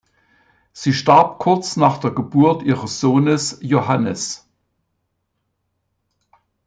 Sie starb kurz nach der Geburt ihres Sohnes Johannes.